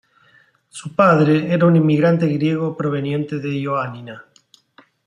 Su padre era un inmigrante griego proveniente de Ioánina.